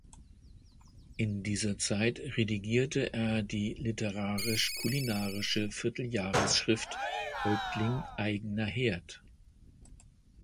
In dieser Zeit redigierte er die literarisch-kulinarische Vierteljahresschrift "„Häuptling Eigener Herd“".